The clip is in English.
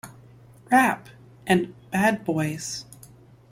Rap" and "Bad Boys".